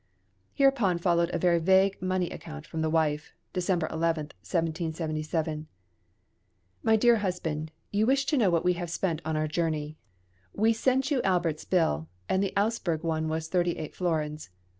Hereupon followed a very vague money account from the wife (December 11, 1777): {MOZART AND THE ELECTOR.} (395) My dear Husband, You wish to know what we have spent on our journey. We sent you Albert's bill, and the Augsburg one was thirty eight florins.